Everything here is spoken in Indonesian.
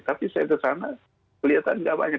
tapi saya ke sana kelihatan nggak banyak